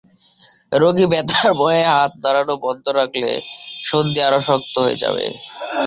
রোগী ব্যথার ভয়ে হাত নাড়ানো বন্ধ রাখলে সন্ধি আরও শক্ত হয়ে যাবে।